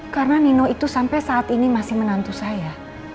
karena nino itu sampai saat ini masih menantu saya